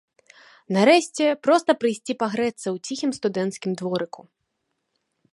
Нарэшце, проста прыйсці пагрэцца ў ціхім студэнцкім дворыку.